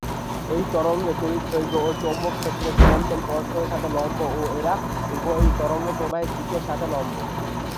এই তরঙ্গে তড়িৎ ক্ষেত্র ও চৌম্বক ক্ষেত্রের স্পন্দন পরস্পরের সাথে লম্ব ও এরা উভয়ই তরঙ্গ প্রবাহের দিকের সাথে লম্ব।